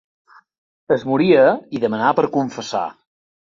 Es moria i demanà per confessar.